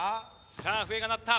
さあ笛が鳴った。